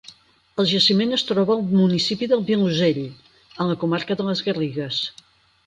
El jaciment es troba al municipi del Vilosell, a la comarca de Les Garrigues.